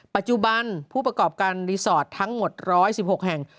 ปัจจุบันผู้ประกอบการรีสอร์ททั้งหมด๑๑๖แห่ง